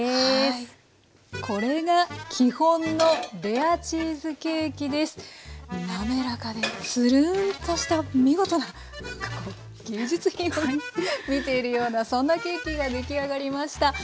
これが滑らかでツルンとした見事な芸術品を見ているようなそんなケーキが出来上がりました。